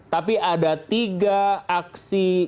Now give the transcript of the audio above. tapi ada tiga aksi